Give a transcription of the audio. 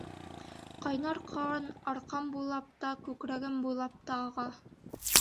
Ҡайнар ҡан арҡам буйлап та, күкрәгем буйлап та аға.